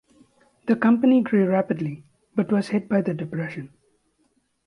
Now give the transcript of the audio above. The company grew rapidly, but was hit by the depression.